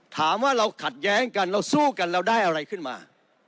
ถามว่าเราขัดแย้งกันเราสู้กันเราได้อะไรขึ้นมา